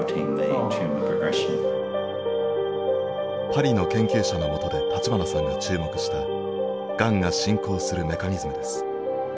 パリの研究者のもとで立花さんが注目したがんが進行するメカニズムです。